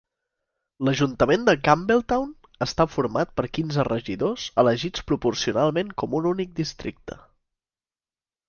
L'ajuntament de Campbelltown està format per quinze regidors elegits proporcionalment com un únic districte.